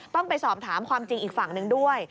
ต้องไปสอบถามความจริงอีกฝั่งหนึ่งด้วย